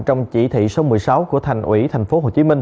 trong chỉ thị số một mươi sáu của thành ủy tp hcm